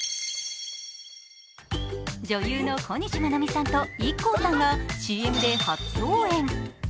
女優の小西真奈美さんとＩＫＫＯさんがＣＭで初共演。